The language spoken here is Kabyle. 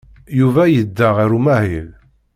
Yuba yedda ɣer umahil.